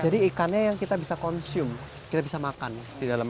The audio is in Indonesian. jadi ikannya yang kita bisa konsum kita bisa makan di dalamnya